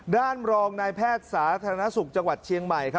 รองนายแพทย์สาธารณสุขจังหวัดเชียงใหม่